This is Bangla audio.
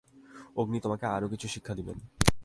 অগ্নি তোমাকে আরও কিছু শিক্ষা দিবেন।